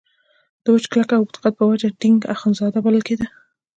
د وچ کلک او اوږده قد په وجه ډینګ اخندزاده بلل کېده.